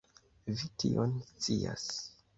Vi tion scias.